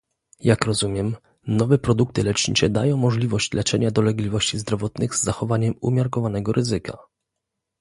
Jak rozumiem, nowe produkty lecznicze dają możliwość leczenia dolegliwości zdrowotnych z zachowaniem umiarkowanego ryzyka